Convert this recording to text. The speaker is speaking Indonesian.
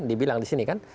dibilang di sini kan